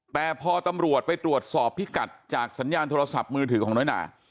แต่พอตำรวจไปตรวจสอบพิกัดจากสัญญาณโทรศัพท์มือถือของน้อยนา